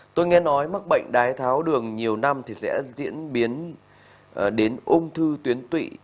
tôi nghe nói mắc bệnh đái tháo đường nhiều năm thì sẽ diễn biến đến ung thư tuyến tụy